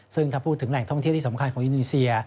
ซึ่งถ้าพูดถึงแหล่งท่องเที่ยวที่สำคัญของอินโดนีเซีย